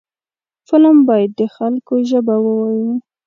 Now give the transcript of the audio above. فلم باید د خلکو ژبه ووايي